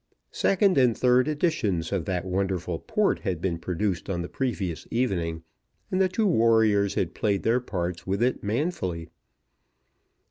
Second and third editions of that wonderful port had been produced on the previous evening, and the two warriors had played their parts with it manfully.